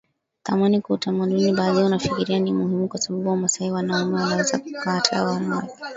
thamani kwa utamaduni Baadhi wanafikiria ni muhimu kwa sababu Wamasai wanaume wanaweza wakakataa mwanamke